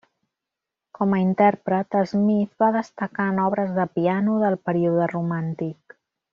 Com a intèrpret, Smith va destacar en obres de piano del període romàntic.